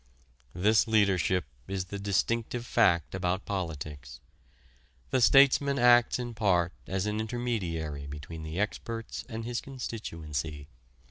This leadership is the distinctive fact about politics. The statesman acts in part as an intermediary between the experts and his constituency.